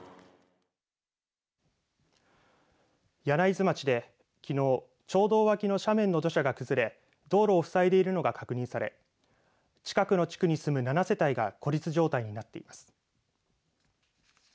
柳津町で、きのう町道脇の斜面の土砂が崩れ道路をふさいでいるのが確認され近くの地区に住む７世帯が孤立状態になっています。